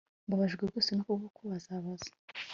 Mbabajwe rwose no kukubabaza